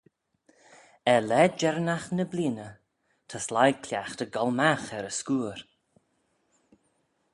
Er laa jerrinagh ny bleeaney, ta sleih cliaghtey goll magh er y scooyr.